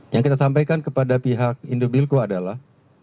yang kita sampaikan kepada pihak indobilco adalah